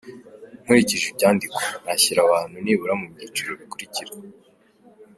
Nkurikije ibyandikwa nashyira abantu nibura mu byiciro bikurikira :